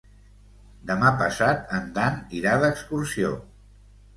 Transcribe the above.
Demà passat en Dan irà d'excursió.